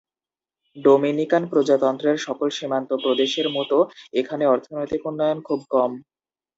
Dominican প্রজাতন্ত্রের সকল সীমান্ত প্রদেশের মত এখানে অর্থনৈতিক উন্নয়ন খুব কম।